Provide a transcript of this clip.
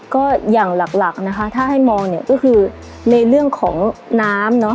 ก็อย่างหลักถ้าให้มองก็คือในเรื่องของน้ำ